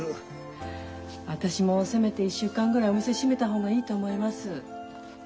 私もせめて１週間ぐらいお店閉めた方がいいと思います。